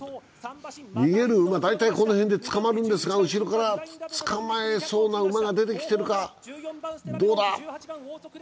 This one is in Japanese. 逃げる馬、大体この辺で捕まるんですが、後ろから捕まえそうな馬が出てきているか、どうだ？